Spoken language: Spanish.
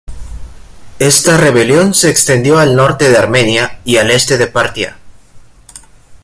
Esta rebelión se extendió al norte de Armenia y al este de Partia.